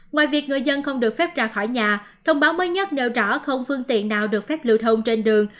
ngoài việc người dân không được phép ra khỏi nhà thông báo mới nhất nêu rõ không phương tiện nào được phép lưu thông trên đường